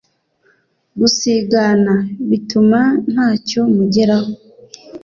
Gusigana bituma ntacyo mugeraho